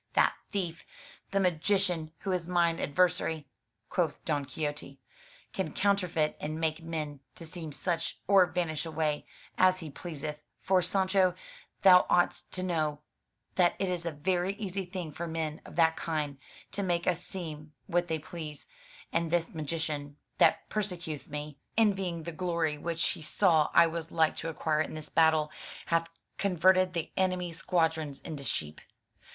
'* "That thief, the magician who is mine adversary,*' quoth Don Quixote, can counterfeit and make men to seem such, or vanish away, as he pleaseth; for, Sancho, thou oughtest to know that it is a very easy thing for men of that kind to make us seem what they please; and this magician that persecuteth me, envy TOO FROM THE TOWER WINDOW ing the glory which he saw I was hke to acquire in this battle, hath converted the enemy's squadrons into sheep.